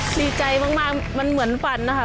ดีใจมากมันเหมือนฝันนะคะ